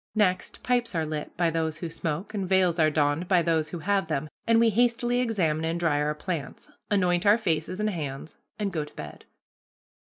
Next, pipes are lit by those who smoke, and veils are donned by those who have them, and we hastily examine and dry our plants, anoint our faces and hands, and go to bed.